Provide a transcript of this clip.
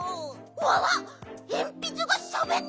わわっえんぴつがしゃべってる！